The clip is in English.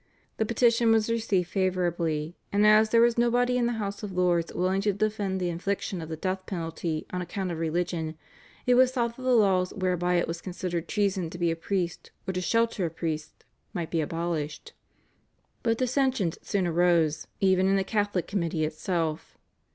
The petition was received favourably, and as there was nobody in the House of Lords willing to defend the infliction of the death penalty on account of religion, it was thought that the laws whereby it was considered treason to be a priest or to shelter a priest might be abolished. But dissensions soon arose, even in the Catholic committee itself.